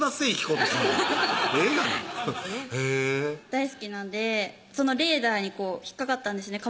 大好きなんでそのレーダーに引っ掛かったんですね